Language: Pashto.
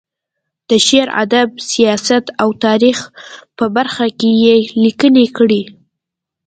د شعر، ادب، سیاست او تاریخ په برخه کې یې لیکنې کړې.